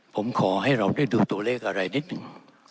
ผมขอให้เราได้ดูตัวเลขอะไรนิดหนึ่ง